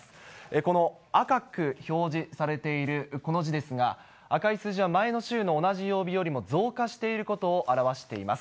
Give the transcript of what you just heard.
この赤く表示されている、この字ですが、赤い数字は前の週の同じ曜日よりも増加していることを表しています。